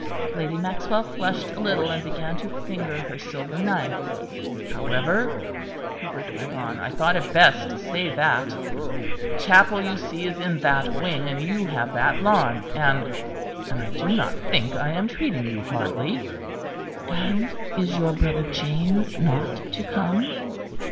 Lady Maxwell flushed a little, and began to finger her silver knife. "However," Hubert went on, "I thought it best to say that. The chapel, you see, is in that wing; and you have that lawn; and and I do not think I am treating you hardly." "And is your brother James not to come?"